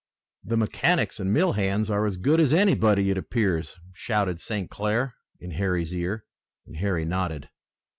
"The mechanics and mill hands are as good as anybody, it appears!" shouted St. Clair in Harry's ear, and Harry nodded.